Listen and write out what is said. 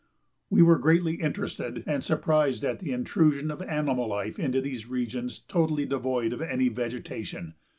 We were greatly interested and surprised at the intrusion of animal life into these regions totally devoid of any vegetation.